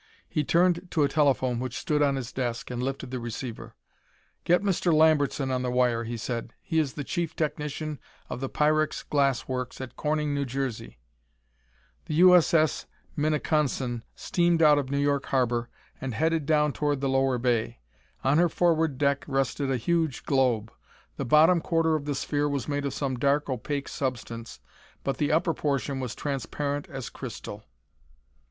He turned to a telephone which stood on his desk and lifted the receiver. "Get Mr. Lambertson on the wire," he said. "He is the chief technician of the Pyrex Glass Works at Corning, New Jersey." The U.S.S. Minneconsin steamed out of New York harbor and headed down toward the lower bay. On her forward deck rested a huge globe. The bottom quarter of the sphere was made of some dark opaque substance but the upper portion was transparent as crystal.